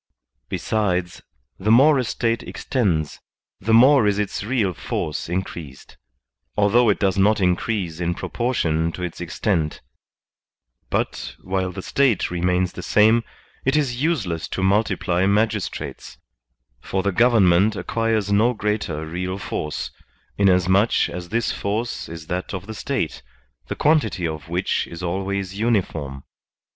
Besides, the more a State extends, the more is its real force increased, although it does not increase in proportion to its extent; but, while the State remains the same, it is useless to multiply magistrates, for the government acquires no greater real force, inasmuch as this force is that of the State, the quantity of which is always uniform.